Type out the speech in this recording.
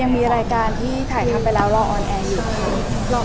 ยังมีรายการที่ถ่ายทำไปแล้วรอออนแอร์อยู่ค่ะ